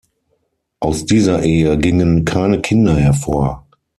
Aus dieser Ehe gingen keine Kinder hervor.